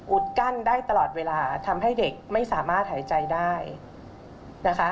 กั้นได้ตลอดเวลาทำให้เด็กไม่สามารถหายใจได้นะคะ